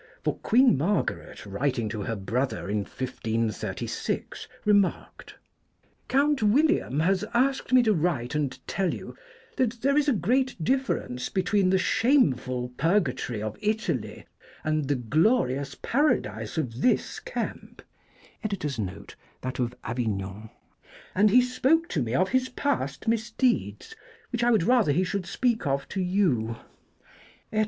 for Queen Margaret, writing to her brother in 1536, re marked :" Count William has asked me to write and tell you that there is a great difference between the shameful purgatory of Italy and the glorious paradise of this camp, 3 and he spoke to me of his past misdeeds, which I would rather he should speak of to you," &c.